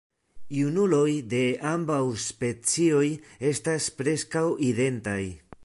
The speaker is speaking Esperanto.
Junuloj de ambaŭ specioj estas preskaŭ identaj.